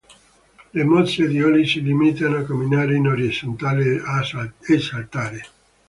Le mosse di Olli si limitano a camminare in orizzontale e saltare.